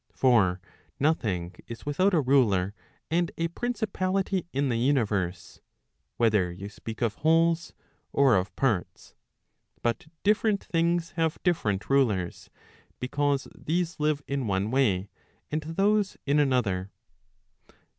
For nothing is without a ruler and a principality in the universe, whether you speak of wholes, or of parts. But different things have different rulers, because these live in one way, and those in another.